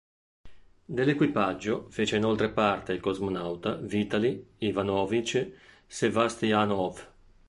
Dell'equipaggio fece inoltre parte il cosmonauta Vitalij Ivanovič Sevast'janov.